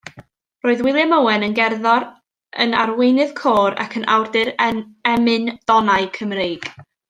Roedd William Owen yn gerddor, yn arweinydd côr ac yn awdur emyn-donau Cymreig.